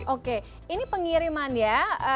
oke ini pengiriman ya